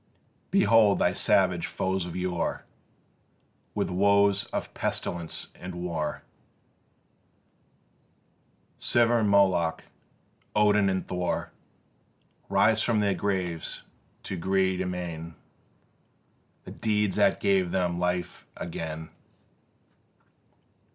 Behold thy savage foes of yore With woes of pestilence and war, Siva and Moloch, Odin and Thor, Rise from their graves to greet amain The deeds that give them life again.